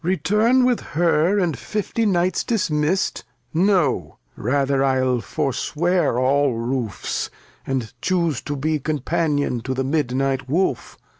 Lear. Return with her, and fifty Knights dismisst, No, rather I'll forswear aU Roofs, and chuse To be Companion to the Midnight Wolf.